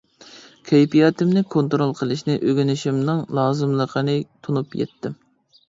كەيپىياتىمنى كونترول قىلىشنى ئۆگىنىشىمنىڭ لازىملىقىنى تونۇپ يەتتىم.